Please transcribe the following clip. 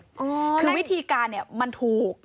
คือวิธีการมันถูก